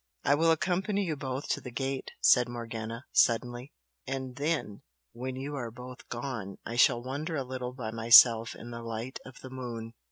"I will accompany you both to the gate," said Morgana, suddenly "and then when you are both gone I shall wander a little by myself in the light of the moon!"